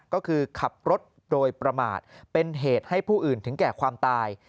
ก็คือขับรถโดยประมาทเป็นเหตุให้ผู้อื่นถึงแก่ความตาย